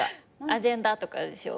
「アジェンダ」とかでしょ？